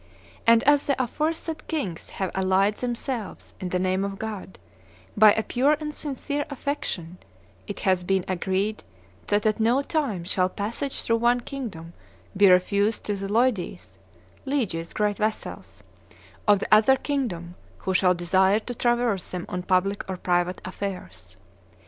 ... And as the aforesaid kings have allied themselves, in the name of God, by a pure and sincere affection, it hath been agreed that at no time shall passage through one kingdom be refused to the Leudes (lieges great vassals) of the other kingdom who shall desire to traverse them on public or private affairs.